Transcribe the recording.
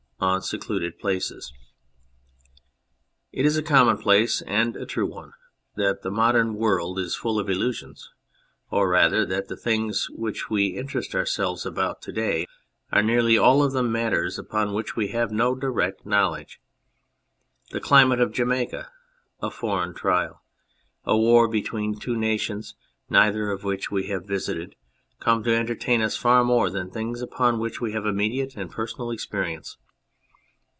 29 ON SECLUDED PLACES IT is a commonplace, and a true one, that the modern world is full of illusions, or rather that the things which we interest ourselves about to day are nearly all of them matters upon which we have no direct knowledge. The climate of Jamaica, a foreign trial, a war between two nations neither of which we have visited, come to entertain us far more than things upon which we have immediate and personal experience.